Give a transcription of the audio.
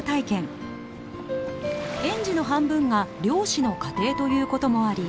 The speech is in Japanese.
園児の半分が漁師の家庭ということもあり